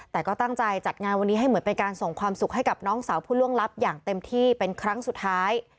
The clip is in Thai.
แต่ก็ตั้งใจจัดงานวันนี้ให้เหมือนเป็นการส่งความสุขให้กับน้องสาวผู้ล่วงลับอย่างเต็มที่เป็นครั้งสุดท้าย